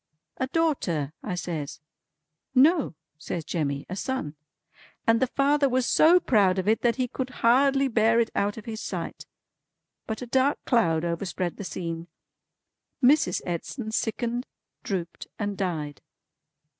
"A daughter," I says. "No," says Jemmy, "a son. And the father was so proud of it that he could hardly bear it out of his sight. But a dark cloud overspread the scene. Mrs. Edson sickened, drooped, and died."